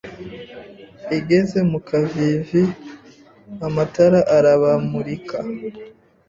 igeze mu kavivi amatara arabamurikira